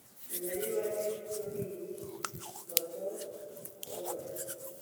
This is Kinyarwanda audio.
Nari bane kuriyi foto kuroba